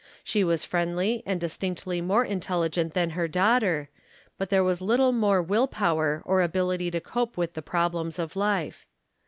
She was friendly and distinctly more intelligent than her daughter, but there was little more will power or ability to cope with the problems of life.